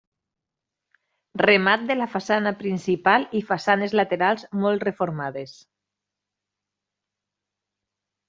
Remat de la façana principal i façanes laterals molt reformades.